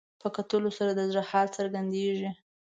په کتلو سره د زړه حال څرګندېږي